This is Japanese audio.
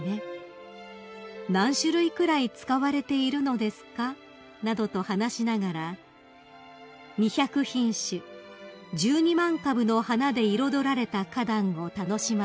「何種類くらい使われているのですか？」などと話しながら２００品種１２万株の花で彩られた花壇を楽しまれました］